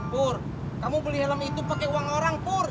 pur kamu beli helm itu pakai uang orang pur